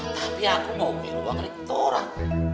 tapi aku mau beruang rektoran